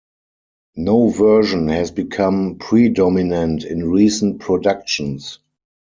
No version has become predominant in recent productions.